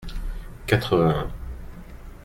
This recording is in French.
Quatre-vingt-un.